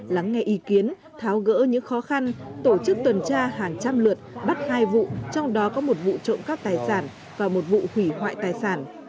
lắng nghe ý kiến tháo gỡ những khó khăn tổ chức tuần tra hàng trăm lượt bắt hai vụ trong đó có một vụ trộm cắp tài sản và một vụ hủy hoại tài sản